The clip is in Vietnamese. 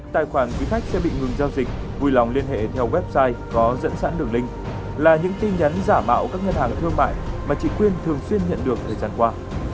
tài khoản quý khách sẽ bị ngừng giao dịch vui lòng liên hệ theo website có dẫn sẵn đường link là những tin nhắn giả mạo các ngân hàng thương mại mà chị quyên thường xuyên nhận được thời gian qua